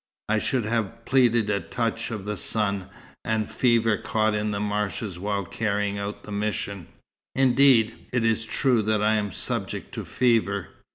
I should have pleaded a touch of the sun, and a fever caught in the marshes while carrying out the mission. Indeed, it is true that I am subject to fever.